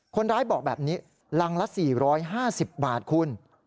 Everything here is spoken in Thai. คนร้ายบอกแบบนี้รังละ๔๕๐บาทคุณ